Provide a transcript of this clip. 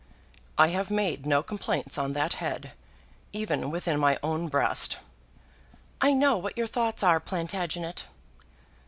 I have made no complaints on that head, even within my own breast." "I know what your thoughts are, Plantagenet."